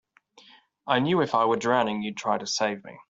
I knew if I were drowning you'd try to save me.